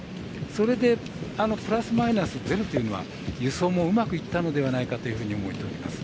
それでプラスマイナス０というのは輸送もうまくいったのではないかというふうに思います。